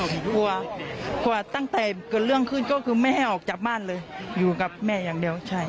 ผมกลัวกลัวตั้งแต่เกิดเรื่องขึ้นก็คือไม่ให้ออกจากบ้านเลยอยู่กับแม่อย่างเดียวใช่